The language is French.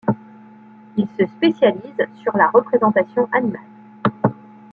Il se spécialise sur la représentation animale.